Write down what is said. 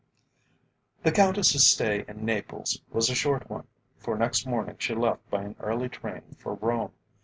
The Countess's stay in Naples was a short one, for next morning she left by an early train for Rome.